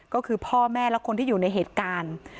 ก็คือพ่อแม่และคนที่อยู่ในเหตุการณ์